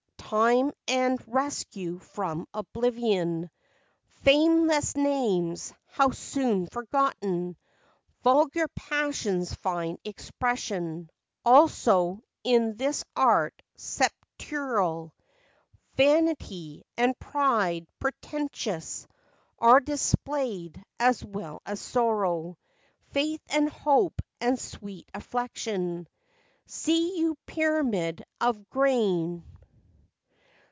Time, and rescue from oblivion, Fameless names—how soon forgotten Vulgar passions find expression, Also, in this art sepulchral; Vanity, and pride, pretentious, Are displayed, as well as sorrow, Faith, and hope, and sweet affection.